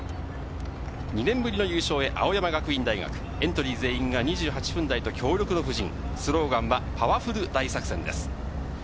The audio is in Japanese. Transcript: ２年ぶりの優勝へ、青山学院大学エントリー全員が２８分台と強力な布陣、スローガンはパワフル大作戦です。